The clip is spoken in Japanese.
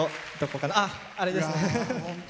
あれです。